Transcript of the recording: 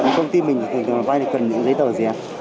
tận công ty mình thì vay cần lấy tờ gì ạ